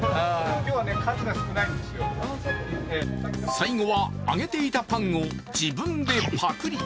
最後はあげていたパンを自分でぱくり。